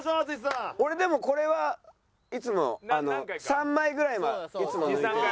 俺でもこれはいつも３枚ぐらいはいつも抜いてるから。